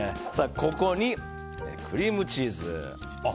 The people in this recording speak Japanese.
ここにクリームチーズ。